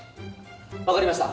わかりました。